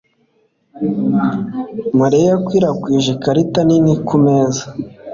Mariya yakwirakwije ikarita nini kumeza